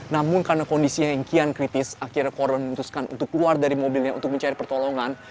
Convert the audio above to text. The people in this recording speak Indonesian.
namun karena kondisinya yang kian kritis akhirnya korban memutuskan untuk keluar dari mobilnya untuk mencari pertolongan